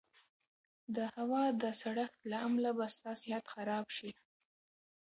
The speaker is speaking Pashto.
د هوا د سړښت له امله به ستا صحت خراب شي.